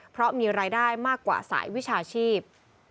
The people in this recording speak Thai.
เพราะมีรายได้มากกว่าสายวิชาชีพ